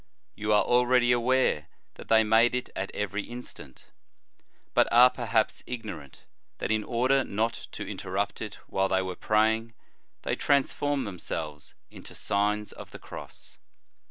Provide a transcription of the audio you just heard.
You are already aware that they made it at every instant, but are, perhaps, ignorant, that in order not to inter rupt it while they were praying, they trans formed themselves into Signs of the Cross.